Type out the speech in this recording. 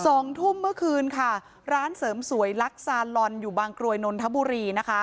สองทุ่มเมื่อคืนค่ะร้านเสริมสวยลักซาลอนอยู่บางกรวยนนทบุรีนะคะ